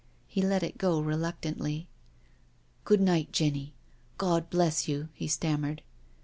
He let it go reluctantly. " Good night, Jenny— God bless you," he stam mered.